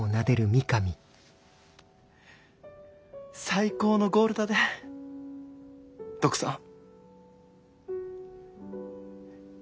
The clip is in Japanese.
最高のゴールだでトクさん。